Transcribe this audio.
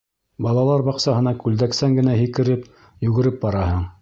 Балалар баҡсаһына күлдәксән генә һикереп, йүгереп бараһың.